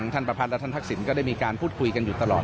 ประพัทธและท่านทักษิณก็ได้มีการพูดคุยกันอยู่ตลอด